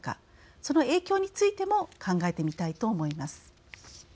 その影響についても考えてみたいと思います。